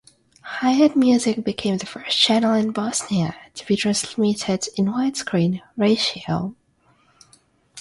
Hayat Music became the first channel in Bosnia to be transmitted in widescreen, ratio.